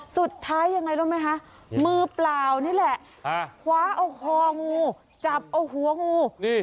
สุดท้ายยังไงรู้ไหมคะมือเปล่านี่แหละคว้าเอาคองูจับเอาหัวงู